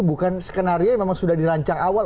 bukan skenario yang memang sudah dirancang awal